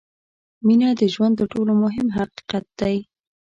• مینه د ژوند تر ټولو مهم حقیقت دی.